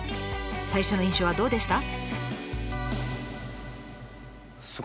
最初の印象はどうでした？